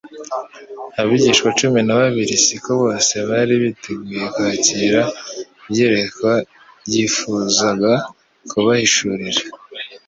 Abigishwa cumi na babiri siko bose bari biteguye kwakira iyerekwa yifuzaga kubahishurira.